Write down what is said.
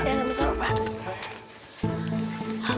ya sampe salur pak